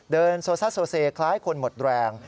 เดินโซซัสโซเซคล้ายคนหมดแรง